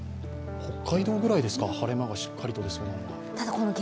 北海道くらいですか、晴れ間がしっかりと出るのは。